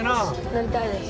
乗りたいです。